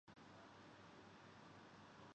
Japan کی سیاحت پر مبنی ہے